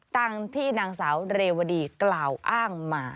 ตามที่นางสาวเรวดีกล่าวอ้างมา